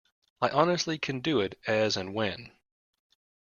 I honestly can do it as and when.